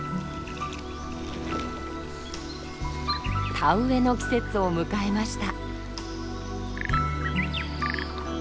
田植えの季節を迎えました。